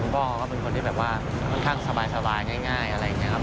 คุณป๊อก็เป็นคนที่ค่อนข้างสบายง่ายอะไรอย่างนี้ครับ